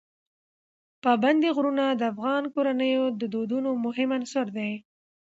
پابندي غرونه د افغان کورنیو د دودونو مهم عنصر دی.